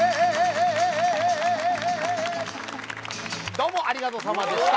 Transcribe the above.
どうもありがとさまでした。